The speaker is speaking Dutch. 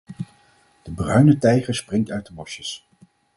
De bruine tijger springt uit de bosjes.